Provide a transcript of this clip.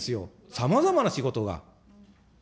さまざまな仕事が。